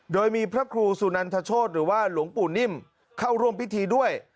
โดยมีพระครูสุนันทโชธหรือว่าหลวงปู่นิ่มเข้าร่วมพิธีด้วย